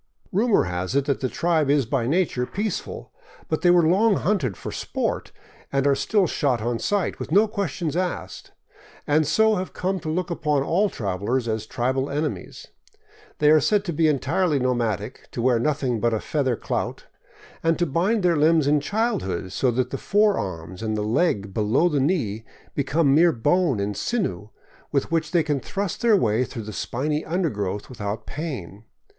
Rumor has it that the tribe is by nature peaceful; but they were long hunted for sport and are still shot on sight, with no questions asked, and so have come to look upon all travelers as tribal enemies. They are said to be entirely nomadic, to wear nothing but a feather clout, and to bind their limbs in childhood, so that the forearm and the leg below the knee become mere bone and sinew with which they can thrust their way through the spiny undergrowth without pain.